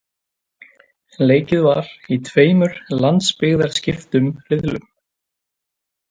Leikið var í tveimur landsbyggðarskiptum riðlum.